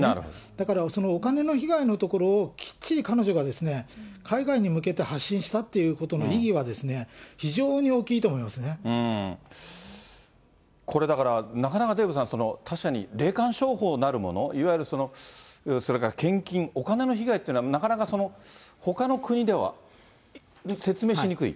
だから、そのお金の被害のところを、きっちり彼女が海外に向けて発信したということの意義は、非常にこれだから、なかなかデーブさん、確かに霊感商法なるもの、いわゆる、それから献金、お金の被害っていうのは、なかなかほかの国では説明しにくい。